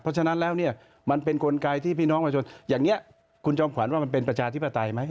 เพราะฉะนั้นแล้วเนี่ยมันเป็นกลไกที่พี่น้องประชาชนอย่างนี้คุณจอมขวัญว่ามันเป็นประชาธิปไตยไหม